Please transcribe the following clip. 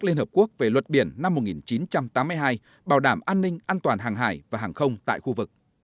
liên hợp quốc về luật biển năm một nghìn chín trăm tám mươi hai bảo đảm an ninh an toàn hàng hải và hàng không tại khu vực